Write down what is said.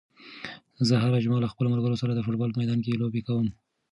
زه هره جمعه له خپلو ملګرو سره د فوټبال په میدان کې لوبې کوم.